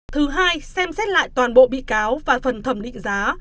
thứ hai xem xét lại toàn bộ bị cáo và phần thẩm định giá